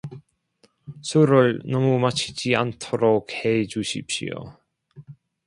술을 너무 마시지 않도록 해 주십시오